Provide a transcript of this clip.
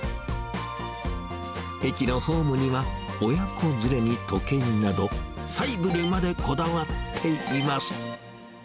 駅のホームには、親子連れに時計など、細部にまでこだわっています。